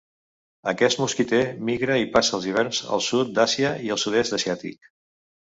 Aquest mosquiter migra i passa els hiverns al sud d'Àsia i al Sud-est Asiàtic.